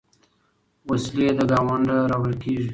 وسلې له ګاونډه راوړل کېږي.